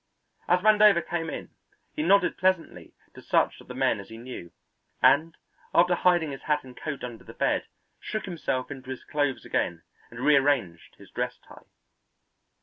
As Vandover came in, he nodded pleasantly to such of the men as he knew, and, after hiding his hat and coat under the bed, shook himself into his clothes again and rearranged his dress tie.